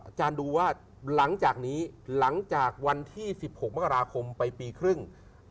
อาจารย์ดูว่าหลังจากนี้หลังจากวันที่๑๖มกราคมไปปีครึ่ง